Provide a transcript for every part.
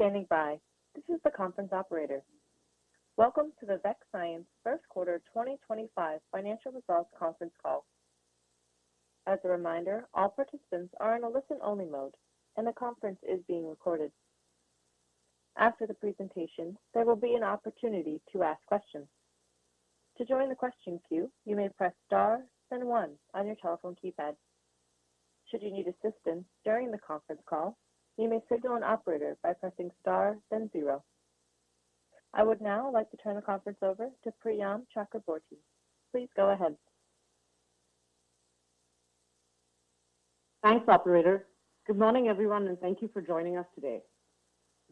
Thank you for standing by. This is the conference operator. Welcome to the Vext Science First Quarter 2025 Financial Results Conference Call. As a reminder, all participants are in a listen-only mode, and the conference is being recorded. After the presentation, there will be an opportunity to ask questions. To join the question queue, you may press star, then one, on your telephone keypad. Should you need assistance during the conference call, you may signal an operator by pressing star, then zero. I would now like to turn the conference over to Priyan Chakraborty. Please go ahead. Thanks, Operator. Good morning, everyone, and thank you for joining us today.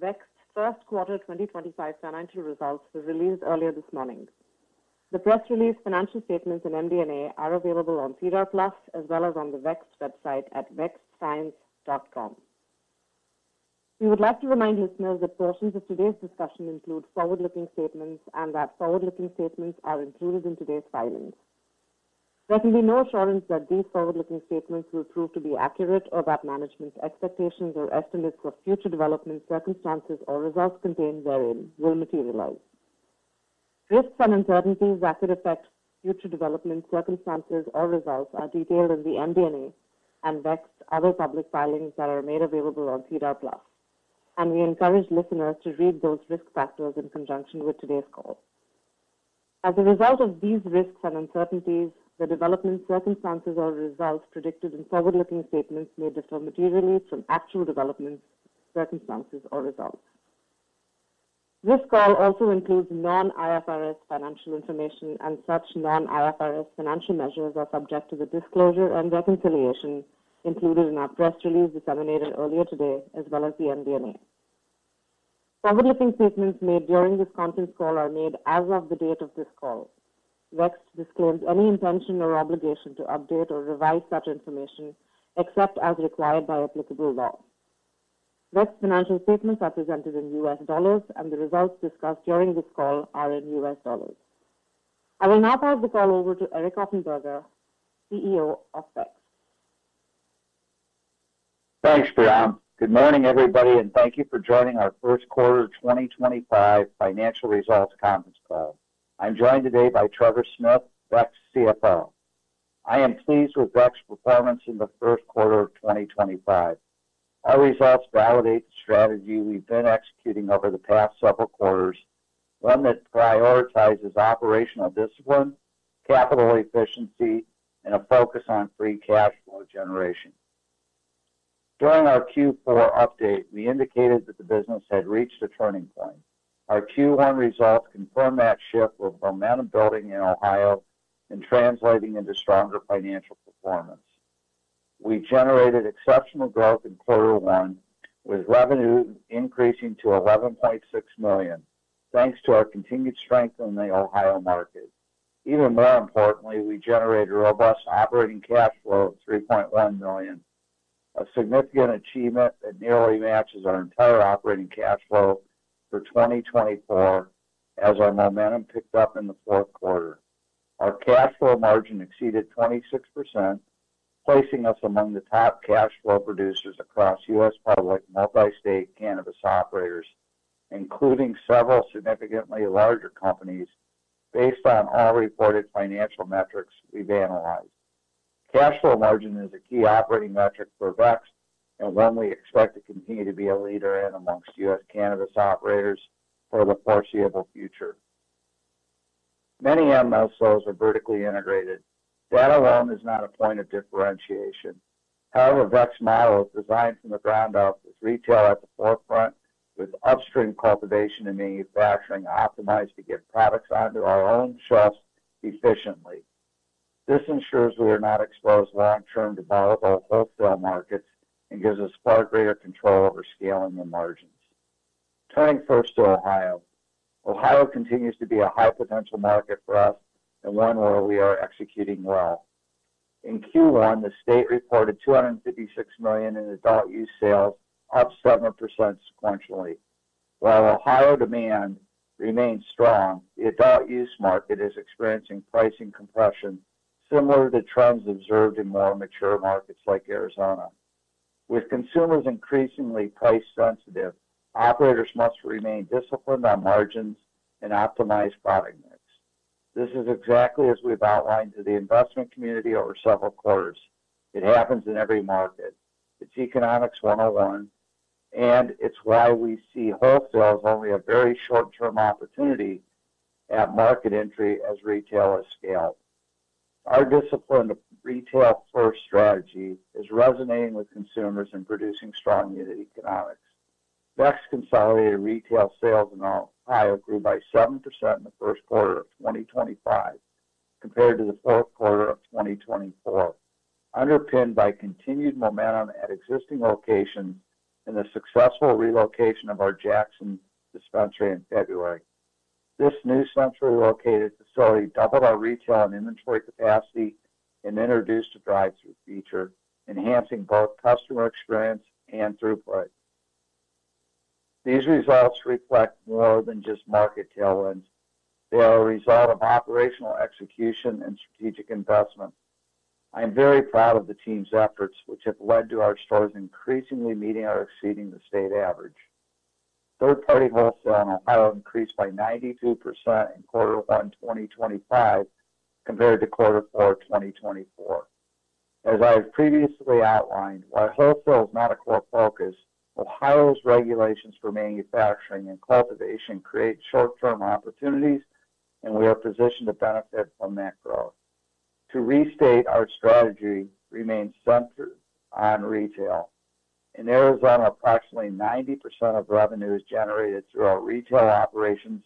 Vext's First Quarter 2025 Financial Results were released earlier this morning. The press release, financial statements, and MD&A are available on SEDAR+ as well as on the Vext website at vexscience.com. We would like to remind listeners that portions of today's discussion include forward-looking statements and that forward-looking statements are included in today's filings. There can be no assurance that these forward-looking statements will prove to be accurate or that management's expectations or estimates for future developments, circumstances, or results contained therein will materialize. Risks and uncertainties that could affect future developments, circumstances, or results are detailed in the MD&A and Vext's other public filings that are made available on SEDAR+, and we encourage listeners to read those risk factors in conjunction with today's call. As a result of these risks and uncertainties, the developments, circumstances, or results predicted in forward-looking statements may differ materially from actual developments, circumstances, or results. This call also includes non-IFRS financial information, and such non-IFRS financial measures are subject to the disclosure and reconciliation included in our press release disseminated earlier today, as well as the MD&A. Forward-looking statements made during this conference call are made as of the date of this call. Vext disclaims any intention or obligation to update or revise such information except as required by applicable law. Vext financial statements are presented in U.S. dollars, and the results discussed during this call are in US dollars. I will now pass the call over to Eric Offenberger, CEO of Vext. Thanks, Priyan. Good morning, everybody, and thank you for joining our First Quarter 2025 Financial Results Conference Call. I'm joined today by Trevor Smith, Vext's CFO. I am pleased with Vext's performance in the first quarter of 2025. Our results validate the strategy we've been executing over the past several quarters, one that prioritizes operational discipline, capital efficiency, and a focus on free cash flow generation. During our Q4 update, we indicated that the business had reached a turning point. Our Q1 results confirmed that shift with momentum building in Ohio and translating into stronger financial performance. We generated exceptional growth in Quarter One, with revenue increasing to $11.6 million, thanks to our continued strength in the Ohio market. Even more importantly, we generated robust operating cash flow of $3.1 million, a significant achievement that nearly matches our entire operating cash flow for 2024 as our momentum picked up in the fourth quarter. Our cash flow margin exceeded 26%, placing us among the top cash flow producers across U.S. public multi-state cannabis operators, including several significantly larger companies based on all reported financial metrics we've analyzed. Cash flow margin is a key operating metric for Vext and one we expect to continue to be a leader in amongst U.S. cannabis operators for the foreseeable future. Many MSOs are vertically integrated. That alone is not a point of differentiation. However, Vext model is designed from the ground up with retail at the forefront, with upstream cultivation and manufacturing optimized to get products onto our own shelves efficiently. This ensures we are not exposed to long-term developable wholesale markets and gives us far greater control over scaling and margins. Turning first to Ohio, Ohio continues to be a high-potential market for us and one where we are executing well. In Q1, the state reported $256 million in adult-use sales, up 7% sequentially. While Ohio demand remains strong, the adult-use market is experiencing pricing compression similar to trends observed in more mature markets like Arizona. With consumers increasingly price-sensitive, operators must remain disciplined on margins and optimize product mix. This is exactly as we've outlined to the investment community over several quarters. It happens in every market. It's economics 101, and it's why we see wholesale as only a very short-term opportunity at market entry as retail has scaled. Our disciplined retail-first strategy is resonating with consumers and producing strong unit economics. Vext consolidated retail sales in Ohio grew by 7% in the first quarter of 2025 compared to the fourth quarter of 2024, underpinned by continued momentum at existing locations and the successful relocation of our Jackson dispensary in February. This new centrally located facility doubled our retail and inventory capacity and introduced a drive-through feature, enhancing both customer experience and throughput. These results reflect more than just market tailwinds. They are a result of operational execution and strategic investment. I'm very proud of the team's efforts, which have led to our stores increasingly meeting or exceeding the state average. Third-party wholesale in Ohio increased by 92% in quarter one, 2025, compared to quarter four, 2024. As I have previously outlined, while wholesale is not a core focus, Ohio's regulations for manufacturing and cultivation create short-term opportunities, and we are positioned to benefit from that growth. To restate our strategy, we remain centered on retail. In Arizona, approximately 90% of revenue is generated through our retail operations,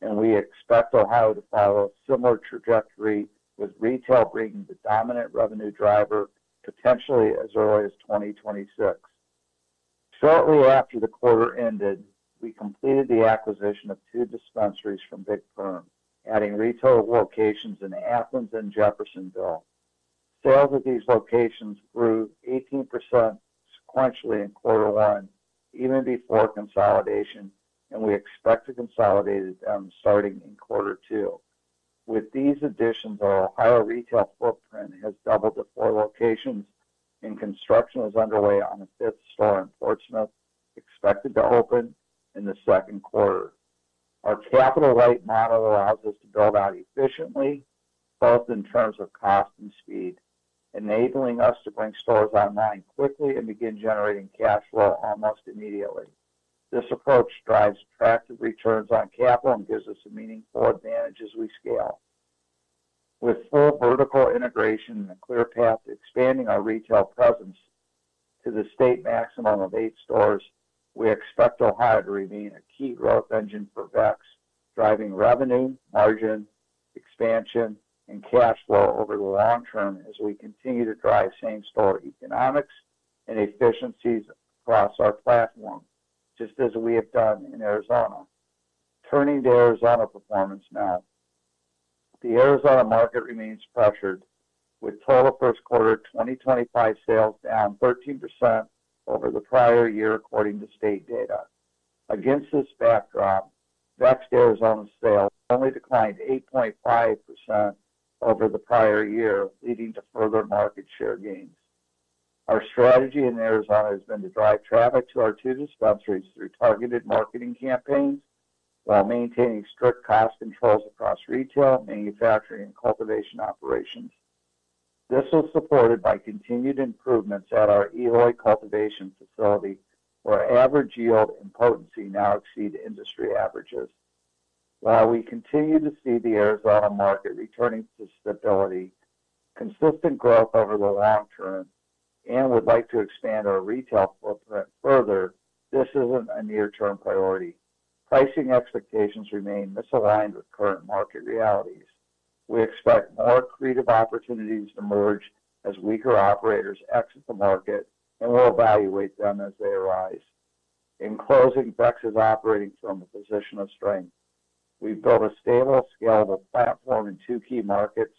and we expect Ohio to follow a similar trajectory, with retail being the dominant revenue driver, potentially as early as 2026. Shortly after the quarter ended, we completed the acquisition of two dispensaries from Big Fern, adding retail locations in Athens and Jeffersonville. Sales at these locations grew 18% sequentially in Quarter 1, even before consolidation, and we expect to consolidate them starting in Quarter 2. With these additions, our Ohio retail footprint has doubled to four locations, and construction is underway on a fifth store in Portsmouth, expected to open in the second quarter. Our capital-light model allows us to build out efficiently, both in terms of cost and speed, enabling us to bring stores online quickly and begin generating cash flow almost immediately. This approach drives attractive returns on capital and gives us a meaningful advantage as we scale. With full vertical integration and a clear path to expanding our retail presence to the state maximum of eight stores, we expect Ohio to remain a key growth engine for Vext, driving revenue, margin, expansion, and cash flow over the long term as we continue to drive same-store economics and efficiencies across our platform, just as we have done in Arizona. Turning to Arizona performance now. The Arizona market remains pressured, with total first quarter 2025 sales down 13% over the prior year according to state data. Against this backdrop, Vext's Arizona sales only declined 8.5% over the prior year, leading to further market share gains. Our strategy in Arizona has been to drive traffic to our two dispensaries through targeted marketing campaigns while maintaining strict cost controls across retail, manufacturing, and cultivation operations. This was supported by continued improvements at our Eloy cultivation facility, where average yield and potency now exceed industry averages. While we continue to see the Arizona market returning to stability, consistent growth over the long term, and would like to expand our retail footprint further, this isn't a near-term priority. Pricing expectations remain misaligned with current market realities. We expect more creative opportunities to emerge as weaker operators exit the market, and we'll evaluate them as they arise. In closing, Vext is operating from a position of strength. We've built a stable, scalable platform in two key markets,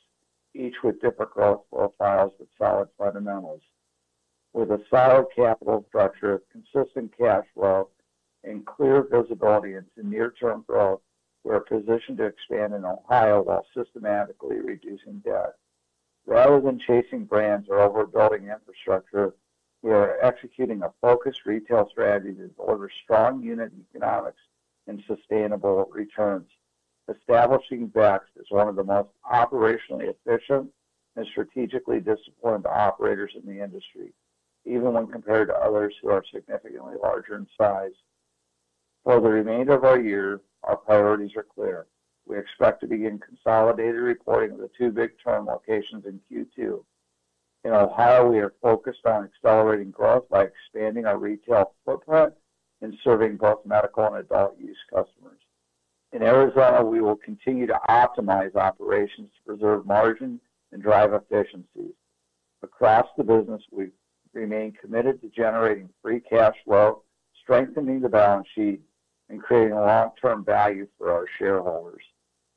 each with different growth profiles but solid fundamentals. With a solid capital structure, consistent cash flow, and clear visibility into near-term growth, we're positioned to expand in Ohio while systematically reducing debt. Rather than chasing brands or overbuilding infrastructure, we are executing a focused retail strategy to deliver strong unit economics and sustainable returns. Establishing Vext as one of the most operationally efficient and strategically disciplined operators in the industry, even when compared to others who are significantly larger in size. For the remainder of our year, our priorities are clear. We expect to begin consolidated reporting of the two Big Fern locations in Q2. In Ohio, we are focused on accelerating growth by expanding our retail footprint and serving both medical and adult use customers. In Arizona, we will continue to optimize operations to preserve margin and drive efficiencies. Across the business, we remain committed to generating free cash flow, strengthening the balance sheet, and creating long-term value for our shareholders.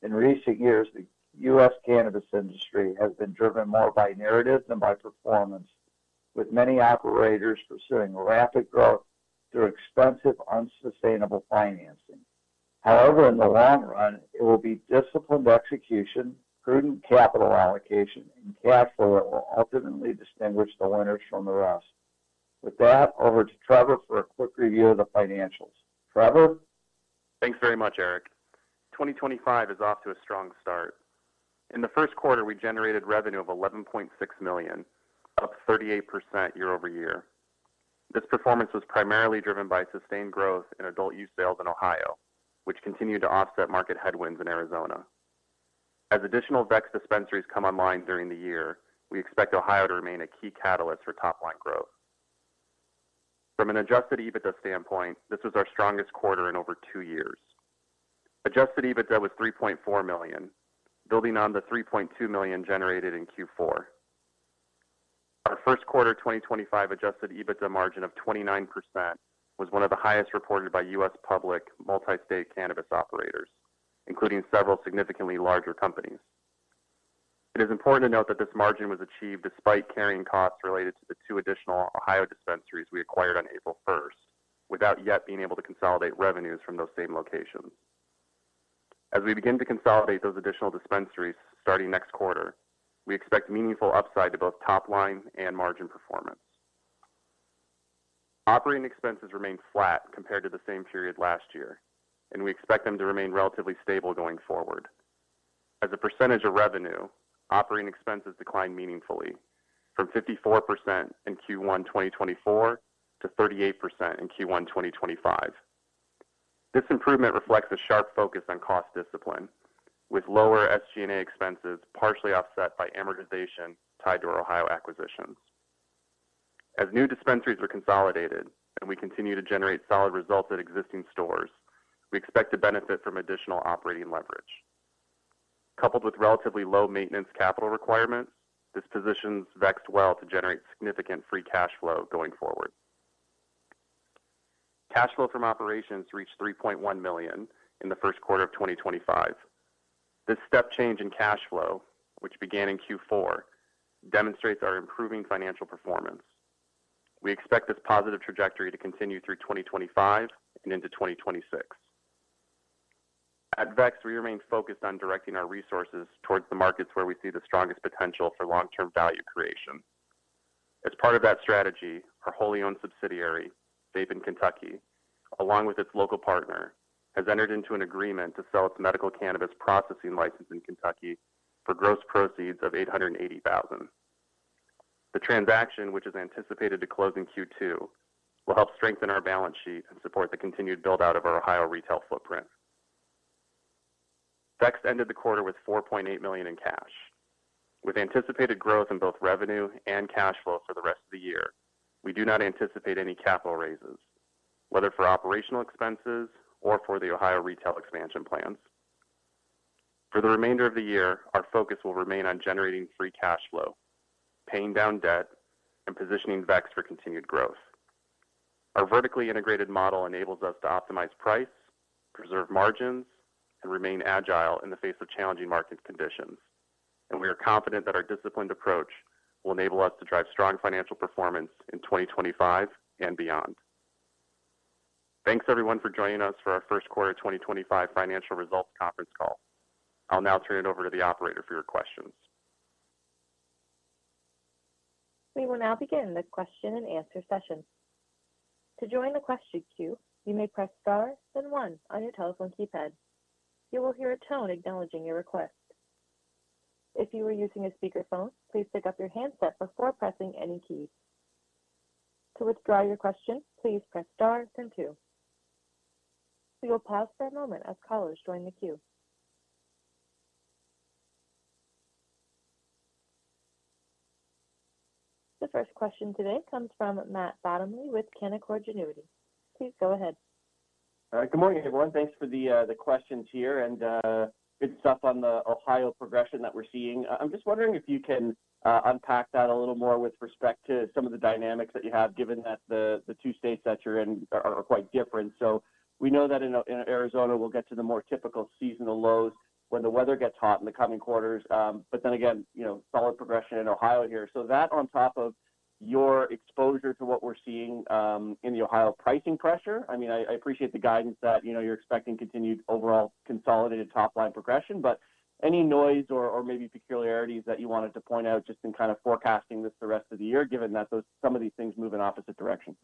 In recent years, the US cannabis industry has been driven more by narratives than by performance, with many operators pursuing rapid growth through expensive, unsustainable financing. However, in the long run, it will be disciplined execution, prudent capital allocation, and cash flow that will ultimately distinguish the winners from the rest. With that, over to Trevor for a quick review of the financials. Trevor? Thanks very much, Eric. 2025 is off to a strong start. In the first quarter, we generated revenue of $11.6 million, up 38% year-over-year. This performance was primarily driven by sustained growth in adult-use sales in Ohio, which continued to offset market headwinds in Arizona. As additional Vext dispensaries come online during the year, we expect Ohio to remain a key catalyst for top-line growth. From an Adjusted EBITDA standpoint, this was our strongest quarter in over two years. Adjusted EBITDA was $3.4 million, building on the $3.2 million generated in Q4. Our first quarter 2025 Adjusted EBITDA margin of 29% was one of the highest reported by U.S. public multi-state cannabis operators, including several significantly larger companies. It is important to note that this margin was achieved despite carrying costs related to the two additional Ohio dispensaries we acquired on April 1, without yet being able to consolidate revenues from those same locations. As we begin to consolidate those additional dispensaries starting next quarter, we expect meaningful upside to both top-line and margin performance. Operating expenses remained flat compared to the same period last year, and we expect them to remain relatively stable going forward. As a percentage of revenue, operating expenses declined meaningfully, from 54% in Q1 2024 to 38% in Q1 2025. This improvement reflects a sharp focus on cost discipline, with lower SG&A expenses partially offset by amortization tied to our Ohio acquisitions. As new dispensaries are consolidated and we continue to generate solid results at existing stores, we expect to benefit from additional operating leverage. Coupled with relatively low maintenance capital requirements, this positions Vext well to generate significant free cash flow going forward. Cash flow from operations reached $3.1 million in the first quarter of 2025. This step change in cash flow, which began in Q4, demonstrates our improving financial performance. We expect this positive trajectory to continue through 2025 and into 2026. At Vext, we remain focused on directing our resources towards the markets where we see the strongest potential for long-term value creation. As part of that strategy, our wholly owned subsidiary, Vape in Kentucky, along with its local partner, has entered into an agreement to sell its medical cannabis processing license in Kentucky for gross proceeds of $880,000. The transaction, which is anticipated to close in Q2, will help strengthen our balance sheet and support the continued build-out of our Ohio retail footprint. Vext ended the quarter with $4.8 million in cash. With anticipated growth in both revenue and cash flow for the rest of the year, we do not anticipate any capital raises, whether for operational expenses or for the Ohio retail expansion plans. For the remainder of the year, our focus will remain on generating free cash flow, paying down debt, and positioning Vext for continued growth. Our vertically integrated model enables us to optimize price, preserve margins, and remain agile in the face of challenging market conditions, and we are confident that our disciplined approach will enable us to drive strong financial performance in 2025 and beyond. Thanks, everyone, for joining us for our first quarter 2025 financial results conference call. I'll now turn it over to the operator for your questions. We will now begin the question and answer session. To join the question queue, you may press star then one on your telephone keypad. You will hear a tone acknowledging your request. If you are using a speakerphone, please pick up your handset before pressing any key. To withdraw your question, please press star then two. We will pause for a moment as callers join the queue. The first question today comes from Matt Bottomley with Canaccord Genuity. Please go ahead. Good morning, everyone. Thanks for the questions here and good stuff on the Ohio progression that we're seeing. I'm just wondering if you can unpack that a little more with respect to some of the dynamics that you have, given that the two states that you're in are quite different. We know that in Arizona, we'll get to the more typical seasonal lows when the weather gets hot in the coming quarters, but then again, solid progression in Ohio here. That on top of your exposure to what we're seeing in the Ohio pricing pressure, I mean, I appreciate the guidance that you're expecting continued overall consolidated top-line progression, but any noise or maybe peculiarities that you wanted to point out just in kind of forecasting this the rest of the year, given that some of these things move in opposite directions?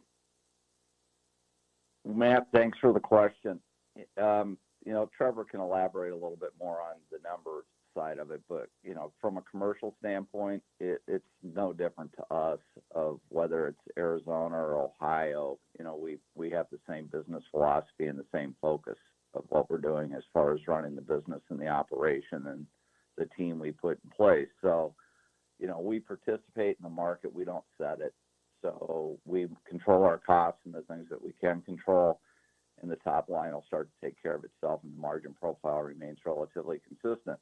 Matt, thanks for the question. Trevor can elaborate a little bit more on the numbers side of it, but from a commercial standpoint, it's no different to us whether it's Arizona or Ohio. We have the same business philosophy and the same focus of what we're doing as far as running the business and the operation and the team we put in place. We participate in the market. We don't set it. We control our costs and the things that we can control, and the top line will start to take care of itself, and the margin profile remains relatively consistent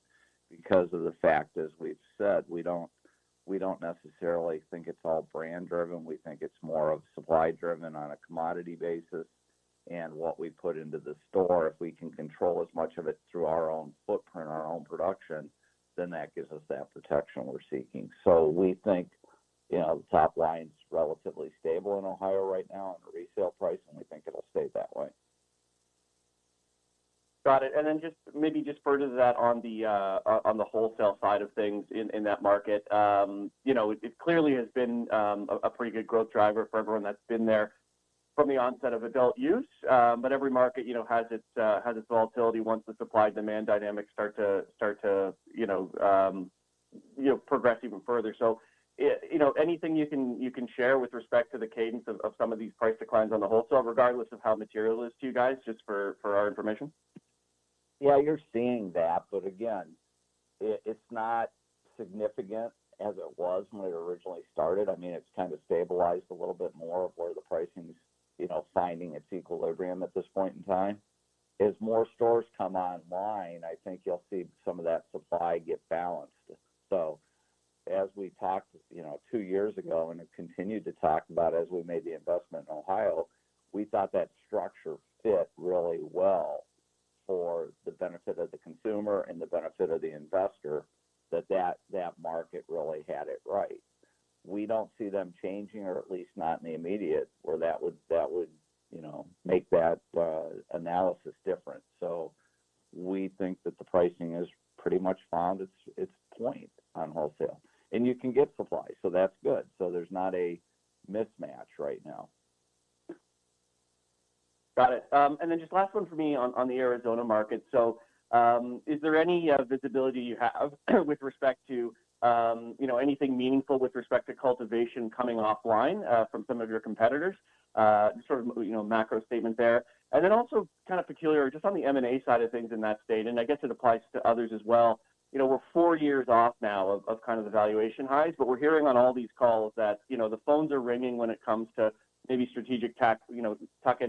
because of the fact, as we've said, we don't necessarily think it's all brand-driven. We think it's more of supply-driven on a commodity basis, and what we put into the store, if we can control as much of it through our own footprint, our own production, then that gives us that protection we're seeking. We think the top line's relatively stable in Ohio right now on the resale price, and we think it'll stay that way. Got it. Maybe just further to that on the wholesale side of things in that market, it clearly has been a pretty good growth driver for everyone that's been there from the onset of adult use, but every market has its volatility once the supply-demand dynamics start to progress even further. Anything you can share with respect to the cadence of some of these price declines on the wholesale, regardless of how material it is to you guys, just for our information? Yeah, you're seeing that, but again, it's not significant as it was when it originally started. I mean, it's kind of stabilized a little bit more of where the pricing's finding its equilibrium at this point in time. As more stores come online, I think you'll see some of that supply get balanced. As we talked two years ago and have continued to talk about as we made the investment in Ohio, we thought that structure fit really well for the benefit of the consumer and the benefit of the investor that that market really had it right. We don't see them changing, or at least not in the immediate, where that would make that analysis different. We think that the pricing has pretty much found its point on wholesale. You can get supply, so that's good. There's not a mismatch right now. Got it. Just last one for me on the Arizona market. Is there any visibility you have with respect to anything meaningful with respect to cultivation coming offline from some of your competitors? Sort of macro statement there. Also kind of peculiar, just on the M&A side of things in that state, and I guess it applies to others as well. We are four years off now of kind of the valuation highs, but we are hearing on all these calls that the phones are ringing when it comes to maybe strategic tuck-in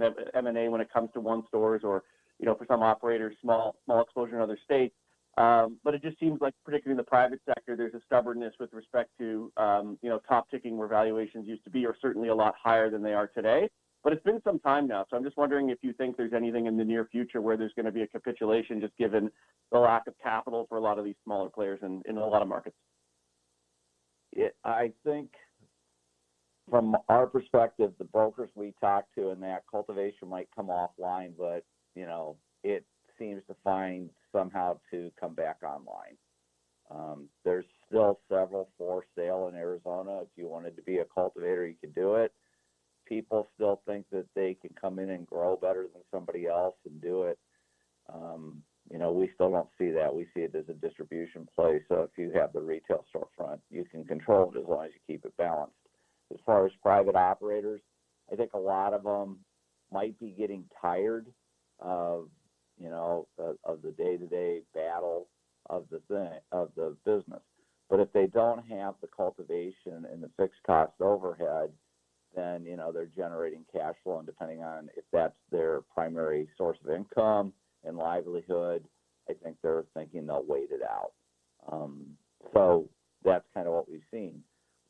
of M&A when it comes to one stores or for some operators, small exposure in other states. It just seems like, particularly in the private sector, there is a stubbornness with respect to top-ticking where valuations used to be or certainly a lot higher than they are today. It has been some time now, so I am just wondering if you think there is anything in the near future where there is going to be a capitulation just given the lack of capital for a lot of these smaller players in a lot of markets. I think from our perspective, the brokers we talk to and that cultivation might come offline, but it seems to find somehow to come back online. There are still several for sale in Arizona. If you wanted to be a cultivator, you could do it. People still think that they can come in and grow better than somebody else and do it. We still do not see that. We see it as a distribution play. If you have the retail storefront, you can control it as long as you keep it balanced. As far as private operators, I think a lot of them might be getting tired of the day-to-day battle of the business. If they do not have the cultivation and the fixed cost overhead, then they are generating cash flow. Depending on if that is their primary source of income and livelihood, I think they are thinking they will wait it out. That is kind of what we have seen.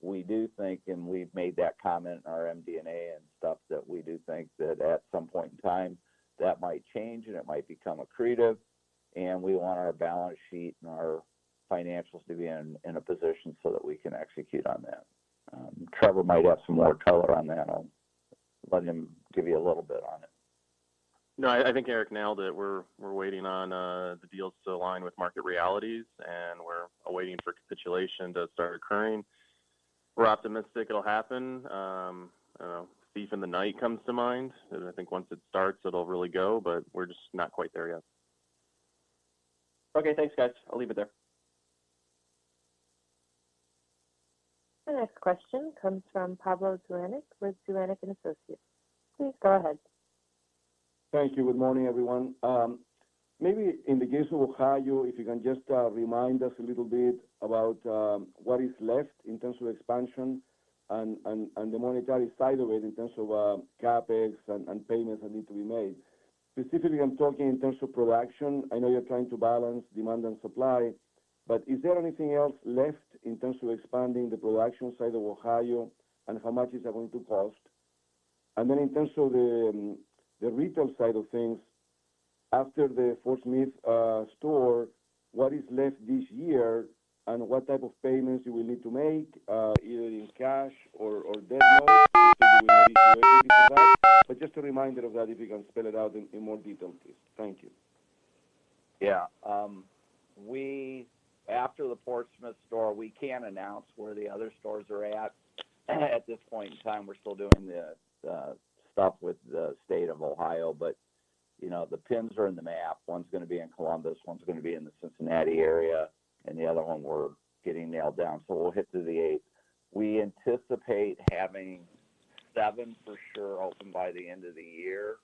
We do think, and we have made that comment in our MD&A and stuff, that we do think that at some point in time, that might change and it might become accretive. We want our balance sheet and our financials to be in a position so that we can execute on that. Trevor might have some more color on that. I will let him give you a little bit on it. No, I think Eric nailed it. We're waiting on the deals to align with market realities, and we're waiting for capitulation to start occurring. We're optimistic it'll happen. Thief in the night comes to mind. I think once it starts, it'll really go, but we're just not quite there yet. Okay. Thanks, guys. I'll leave it there. The next question comes from Pablo Zuanic with Zuanic & Associates. Please go ahead. Thank you. Good morning, everyone. Maybe in the case of Ohio, if you can just remind us a little bit about what is left in terms of expansion and the monetary side of it in terms of capEx and payments that need to be made. Specifically, I'm talking in terms of production. I know you're trying to balance demand and supply, but is there anything else left in terms of expanding the production side of Ohio and how much is that going to cost? Then in terms of the retail side of things, after the Fort Smith store, what is left this year and what type of payments you will need to make, either in cash or deadline? Just a reminder of that, if you can spell it out in more detail, please. Thank you. Yeah. After the Fort Smith store, we can't announce where the other stores are at. At this point in time, we're still doing the stuff with the state of Ohio, but the pins are in the map. One's going to be in Columbus, one's going to be in the Cincinnati area, and the other one we're getting nailed down. We'll hit through the eighth. We anticipate having seven for sure open by the end of the year,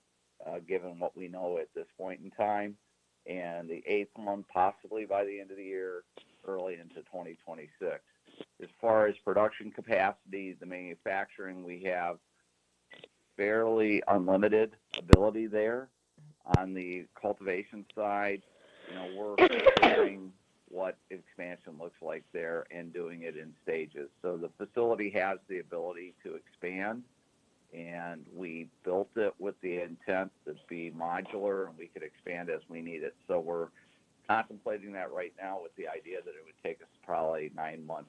given what we know at this point in time, and the eighth one possibly by the end of the year, early into 2026. As far as production capacity, the manufacturing, we have fairly unlimited ability there. On the cultivation side, we're considering what expansion looks like there and doing it in stages. The facility has the ability to expand, and we built it with the intent that it would be modular and we could expand as we need it. We are contemplating that right now with the idea that it would take us probably nine months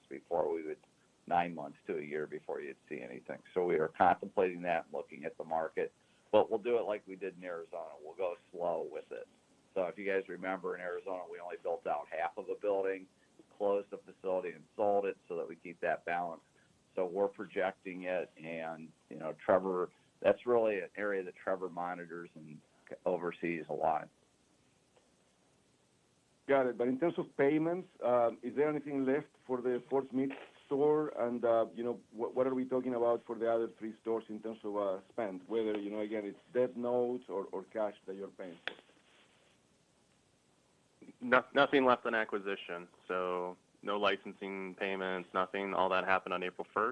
to a year before you would see anything. We are contemplating that and looking at the market, but we will do it like we did in Arizona. We will go slow with it. If you guys remember, in Arizona, we only built out half of a building, closed the facility, and sold it so that we keep that balance. We are projecting it, and that is really an area that Trevor monitors and oversees a lot. Got it. In terms of payments, is there anything left for the Fort Smith store? What are we talking about for the other three stores in terms of spend, whether, again, it is debt notes or cash that you are paying for? Nothing left on acquisition. So no licensing payments, nothing. All that happened on April 1. In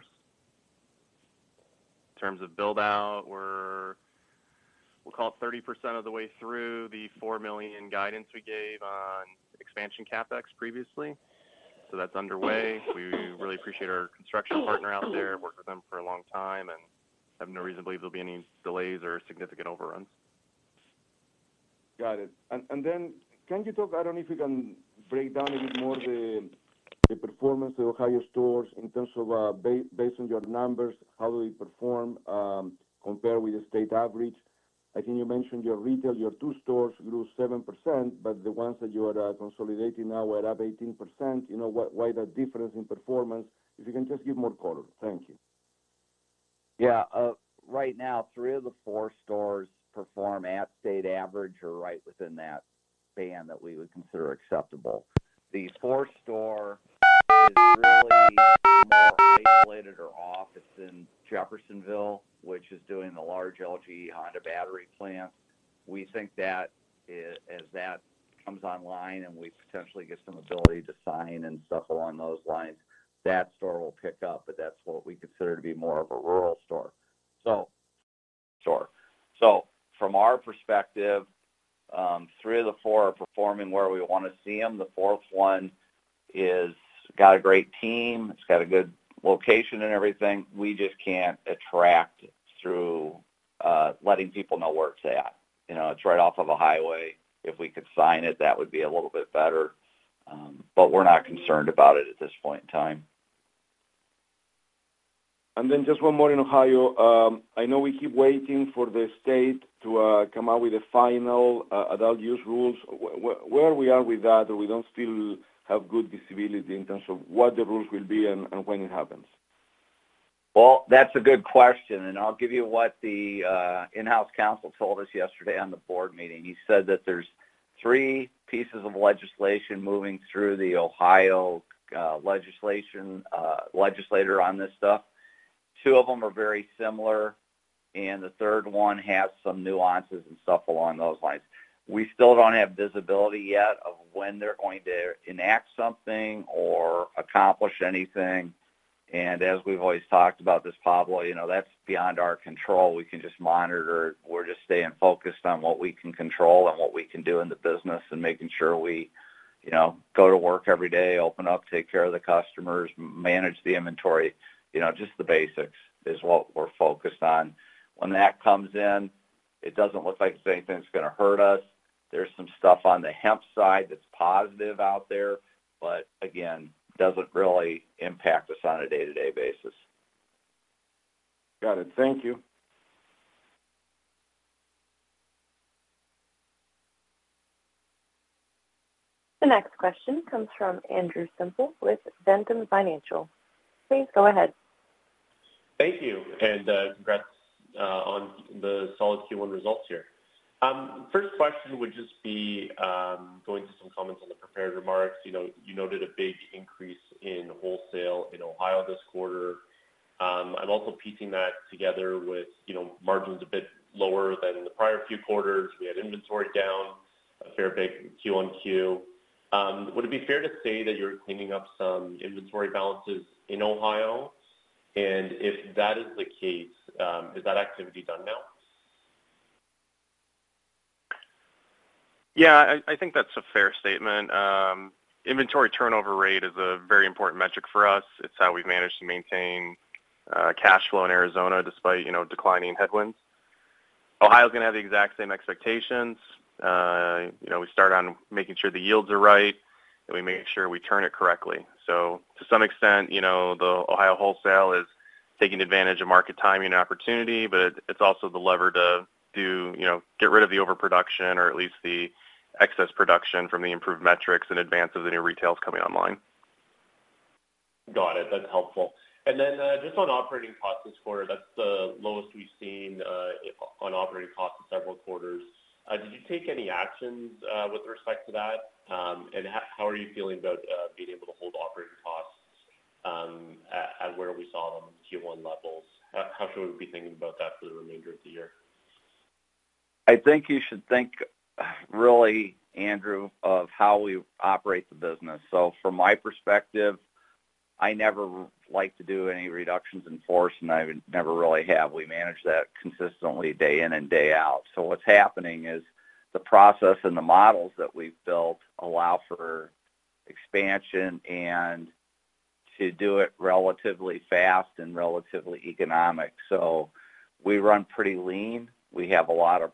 terms of build-out, we'll call it 30% of the way through the $4 million guidance we gave on expansion capEx previously. So that's underway. We really appreciate our construction partner out there. Worked with them for a long time and have no reason to believe there'll be any delays or significant overruns. Got it. Can you talk, I don't know if you can break down a bit more the performance of the Ohio stores in terms of, based on your numbers, how do they perform compared with the state average? I think you mentioned your retail, your two stores grew 7%, but the ones that you are consolidating now were up 18%. Why that difference in performance? If you can just give more color. Thank you. Yeah. Right now, three of the four stores perform at state average or right within that band that we would consider acceptable. The fourth store is really more isolated or off. It's in Jeffersonville, which is doing the large LG Honda battery plant. We think that as that comes online and we potentially get some ability to sign and stuff along those lines, that store will pick up. That's what we consider to be more of a rural store. From our perspective, three of the four are performing where we want to see them. The fourth one has got a great team. It's got a good location and everything. We just can't attract through letting people know where it's at. It's right off of a highway. If we could sign it, that would be a little bit better, but we're not concerned about it at this point in time. Just one more in Ohio. I know we keep waiting for the state to come out with the final adult use rules. Where are we with that, or we don't still have good visibility in terms of what the rules will be and when it happens? That's a good question. I'll give you what the in-house counsel told us yesterday at the board meeting. He said that there are three pieces of legislation moving through the Ohio legislature on this stuff. Two of them are very similar, and the third one has some nuances and stuff along those lines. We still do not have visibility yet of when they're going to enact something or accomplish anything. As we've always talked about this, Pablo, that's beyond our control. We can just monitor. We're just staying focused on what we can control and what we can do in the business and making sure we go to work every day, open up, take care of the customers, manage the inventory. Just the basics is what we're focused on. When that comes in, it does not look like anything's going to hurt us. There's some stuff on the hemp side that's positive out there, but again, doesn't really impact us on a day-to-day basis. Got it. Thank you. The next question comes from Andrew Semple with Ventum Financial. Please go ahead. Thank you. And congrats on the solid Q1 results here. First question would just be going to some comments on the prepared remarks. You noted a big increase in wholesale in Ohio this quarter. I'm also piecing that together with margins a bit lower than the prior few quarters. We had inventory down a fair bit Q1Q. Would it be fair to say that you're cleaning up some inventory balances in Ohio? And if that is the case, is that activity done now? Yeah. I think that's a fair statement. Inventory turnover rate is a very important metric for us. It's how we've managed to maintain cash flow in Arizona despite declining headwinds. Ohio is going to have the exact same expectations. We start on making sure the yields are right, and we make sure we turn it correctly. To some extent, the Ohio wholesale is taking advantage of market timing and opportunity, but it's also the lever to get rid of the overproduction or at least the excess production from the improved metrics in advance of the new retails coming online. Got it. That's helpful. Just on operating costs this quarter, that's the lowest we've seen on operating costs in several quarters. Did you take any actions with respect to that? How are you feeling about being able to hold operating costs at where we saw them in Q1 levels? How should we be thinking about that for the remainder of the year? I think you should think really, Andrew, of how we operate the business. From my perspective, I never like to do any reductions in force, and I never really have. We manage that consistently day in and day out. What's happening is the process and the models that we've built allow for expansion and to do it relatively fast and relatively economic. We run pretty lean. We have a lot of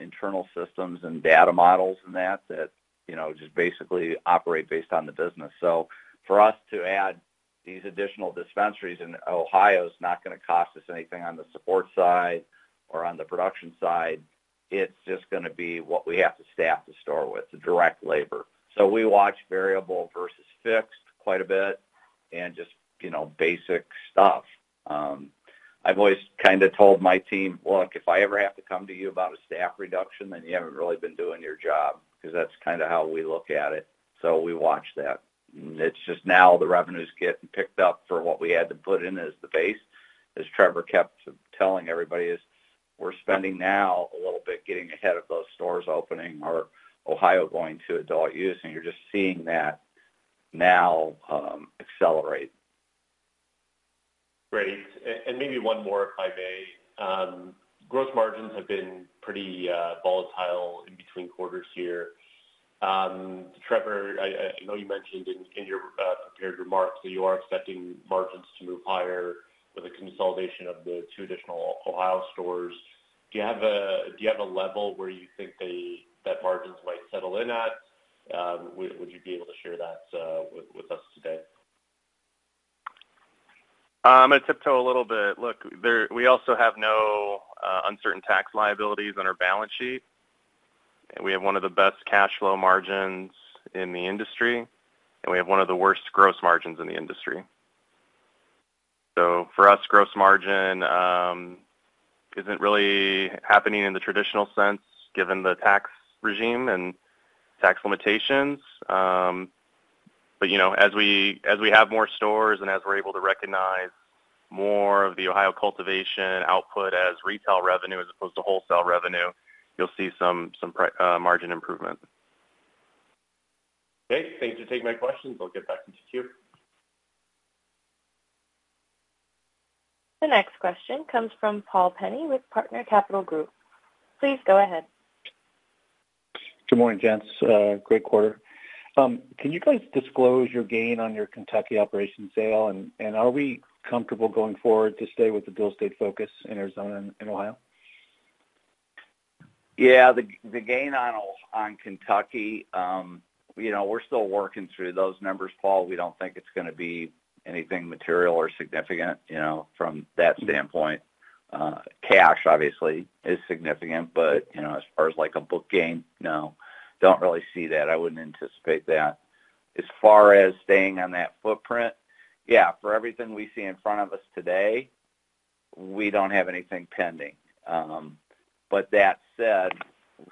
internal systems and data models that just basically operate based on the business. For us to add these additional dispensaries in Ohio is not going to cost us anything on the support side or on the production side. It's just going to be what we have to staff the store with, the direct labor. We watch variable versus fixed quite a bit and just basic stuff. I've always kind of told my team, "Look, if I ever have to come to you about a staff reduction, then you haven't really been doing your job," because that's kind of how we look at it. We watch that. It's just now the revenues get picked up for what we had to put in as the base, as Trevor kept telling everybody is we're spending now a little bit getting ahead of those stores opening or Ohio going to adult use. You're just seeing that now accelerate. Great. Maybe one more, if I may. Gross margins have been pretty volatile in between quarters here. Trevor, I know you mentioned in your prepared remarks that you are expecting margins to move higher with the consolidation of the two additional Ohio stores. Do you have a level where you think that margins might settle in at? Would you be able to share that with us today? It's up to a little bit. Look, we also have no uncertain tax liabilities on our balance sheet. We have one of the best cash flow margins in the industry, and we have one of the worst gross margins in the industry. For us, gross margin isn't really happening in the traditional sense given the tax regime and tax limitations. As we have more stores and as we're able to recognize more of the Ohio cultivation output as retail revenue as opposed to wholesale revenue, you'll see some margin improvement. Okay. Thanks for taking my questions. I'll get back into Q. The next question comes from Paul Penney with Partner Capital Group. Please go ahead. Good morning, gents. Great quarter. Can you guys disclose your gain on your Kentucky operation sale, and are we comfortable going forward to stay with the dual-state focus in Arizona and Ohio? Yeah. The gain on Kentucky, we're still working through those numbers, Paul. We don't think it's going to be anything material or significant from that standpoint. Cash, obviously, is significant, but as far as a book gain, no, don't really see that. I wouldn't anticipate that. As far as staying on that footprint, yeah, for everything we see in front of us today, we don't have anything pending. That said,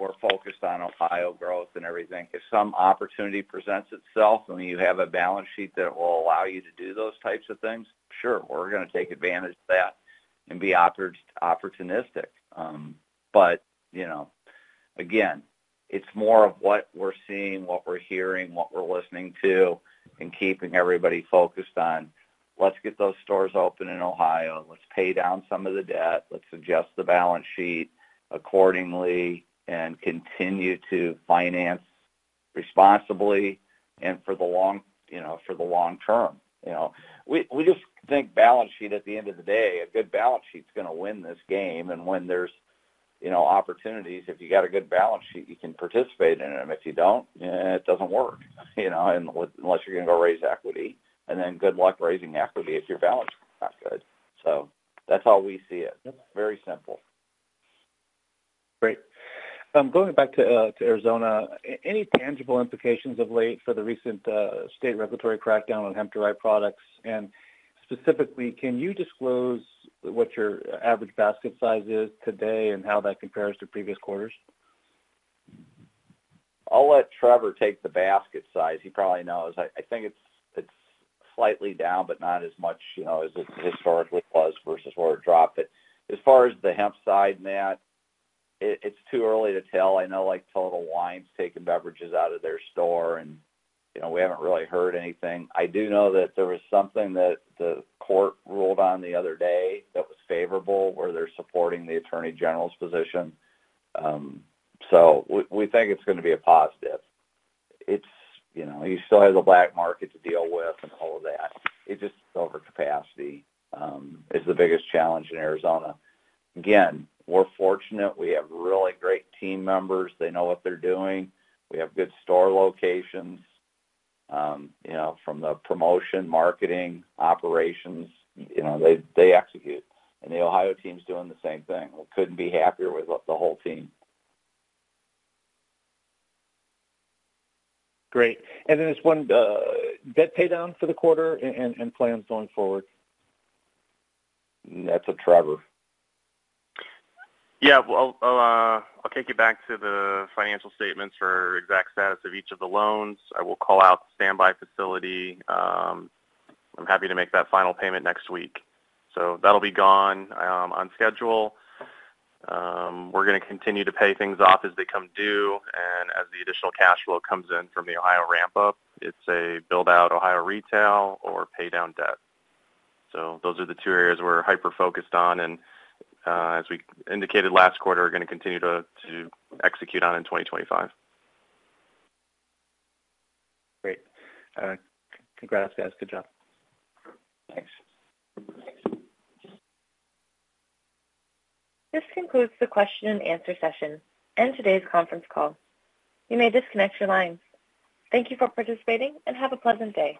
we're focused on Ohio growth and everything. If some opportunity presents itself and you have a balance sheet that will allow you to do those types of things, sure, we're going to take advantage of that and be opportunistic. Again, it's more of what we're seeing, what we're hearing, what we're listening to, and keeping everybody focused on, "Let's get those stores open in Ohio. Let's pay down some of the debt. Let's adjust the balance sheet accordingly and continue to finance responsibly and for the long term. We just think balance sheet at the end of the day. A good balance sheet's going to win this game. When there's opportunities, if you got a good balance sheet, you can participate in them. If you don't, it doesn't work unless you're going to go raise equity. Good luck raising equity if your balance sheet's not good. That's how we see it. Very simple. Great. Going back to Arizona, any tangible implications of late for the recent state regulatory crackdown on hemp-derived products? Specifically, can you disclose what your average basket size is today and how that compares to previous quarters? I'll let Trevor take the basket size. He probably knows. I think it's slightly down, but not as much as it historically was versus where it dropped. As far as the hemp side and that, it's too early to tell. I know Total Wine's taken beverages out of their store, and we haven't really heard anything. I do know that there was something that the court ruled on the other day that was favorable where they're supporting the attorney general's position. We think it's going to be a positive. You still have the black market to deal with and all of that. Overcapacity is the biggest challenge in Arizona. Again, we're fortunate. We have really great team members. They know what they're doing. We have good store locations. From the promotion, marketing, operations, they execute. The Ohio team's doing the same thing. We couldn't be happier with the whole team. Great. And then this one, debt paydown for the quarter and plans going forward? That's with Trevor. Yeah. I'll take you back to the financial statements for exact status of each of the loans. I will call out the standby facility. I'm happy to make that final payment next week. That'll be gone on schedule. We're going to continue to pay things off as they come due. As the additional cash flow comes in from the Ohio ramp-up, it's a build-out Ohio retail or pay down debt. Those are the two areas we're hyper-focused on. As we indicated last quarter, we're going to continue to execute on in 2025. Great. Congrats, guys. Good job. This concludes the question and answer session and today's conference call. You may disconnect your lines. Thank you for participating and have a pleasant day.